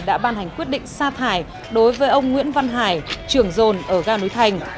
đã ban hành quyết định sa thải đối với ông nguyễn văn hải trưởng rồn ở ga núi thành